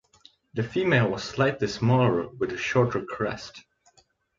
The female was slightly smaller with a shorter crest.